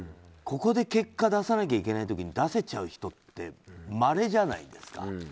ここで結果出さなきゃいけない時に出せちゃう人ってまれじゃないですか。